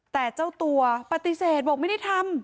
แต่เจ้าตัวปฏิเสธบอกไม่ได้ทำ